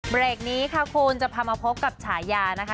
เบรกนี้ค่ะคุณจะพามาพบกับฉายานะคะ